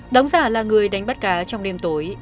đóng giả là người đánh bắt cá trong đêm tối